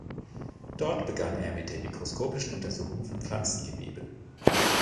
Dort begann er mit der mikroskopischen Untersuchung von Pflanzengewebe.